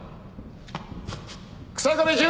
日下部准。